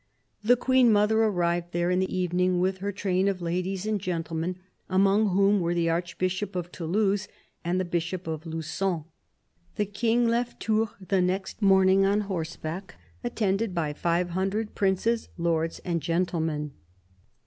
The Queen mother arrived there in the evening, with her train of ladies and gentlemen, among whom were the Archbishop of Toulouse and the Bishop of Lu9on. The King left Tours the next morning on horseback, attended by five hundred princes, lords and gentlemen.